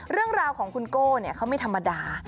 เรื่องราวของคุณโก้เขาไม่ธรรมดา